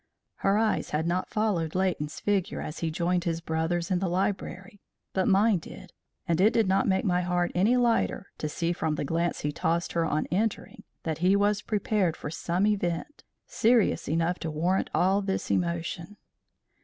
Her eyes had not followed Leighton's figure as he joined his brothers in the library, but mine did, and it did not make my heart any lighter to see from the glance he tossed her on entering that he was prepared for some event serious enough to warrant all this emotion.